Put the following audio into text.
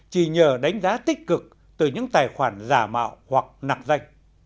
chỉ nhờ đánh giá tích cực từ những tài khoản giả mạo hoặc nạc danh